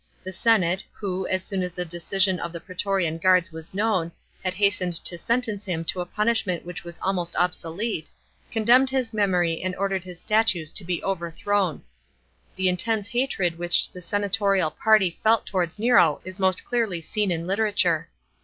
The senate, who, as soon as the decision of the praetorian guards was known, had hastened to sentence him to a punishment which was almost obsolete, condemned his memory and ordered his statues to be overthrown. The intense hatred which the senatorial party felt towards Nero is most clearly seen in literature.